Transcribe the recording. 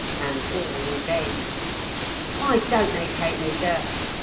And all in vain. "Why don't they take me, sir?